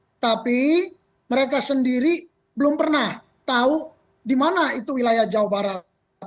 tetapi mereka sendiri belum pernah tahu di mana itu wilayah jawa barat